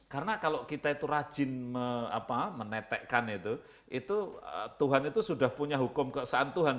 karena kalau kita itu rajin menetekkan itu tuhan itu sudah punya hukum keesahan tuhan